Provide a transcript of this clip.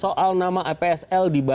soal nama epsl dibalik penggerakan masyarakat